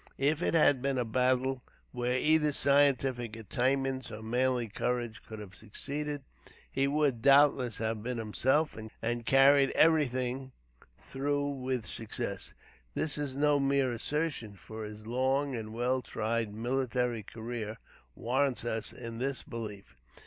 If it had been a battle where either scientific attainments or manly courage could have succeeded, he would, doubtless, have been himself, and carried everything through with success. This is no mere assertion, for his long and well tried military career warrants us in this belief.